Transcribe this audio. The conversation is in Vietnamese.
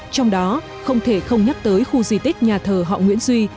trong đó không thể không nhắc tới khu di tích nhà thờ họ nguyễn duy